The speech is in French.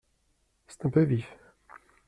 C’est un peu vif !…